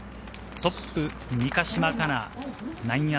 トップ三ヶ島かな、−９。